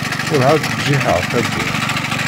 Ur-ɛad bjiḥeɣ tawwurt.